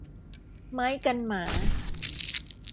ไม้กันหมา